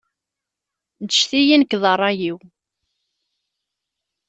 Ǧǧet-iyi nekk d ṛṛay-iw.